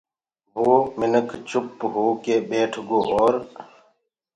وو مِنک چُپ هوڪي ٻيٺگو اورَ